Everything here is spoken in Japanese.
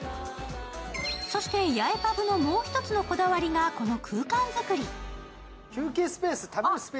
そして、ヤエパブのもう一つのこだわりが、この空間作り。